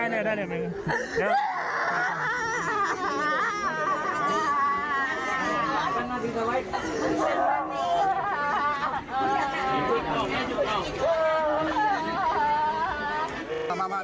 อีกไม่ด้วย